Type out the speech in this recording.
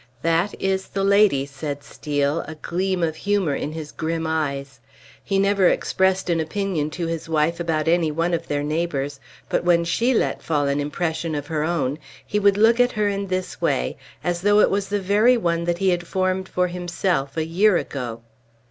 "That is the lady," said Steel, a gleam of humor in his grim eyes. He never expressed an opinion to his wife about any one of their neighbors, but when she let fall an impression of her own, he would look at her in this way, as though it was the very one that he had formed for himself a year ago.